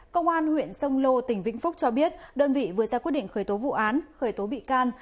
công an huyện sông lô tỉnh vĩnh phúc cho biết đơn vị vừa ra quyết định khởi tố vụ án khởi tố bị can